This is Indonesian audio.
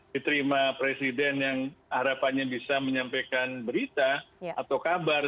diterima presiden yang harapannya bisa menyampaikan berita atau kabar